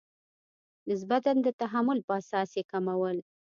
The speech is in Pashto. نسبتا د تحمل په اساس یې کمول.